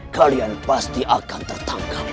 kalian pasti akan tertangkap